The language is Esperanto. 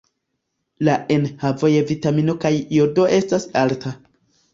La enhavo je vitamino kaj jodo estas alta.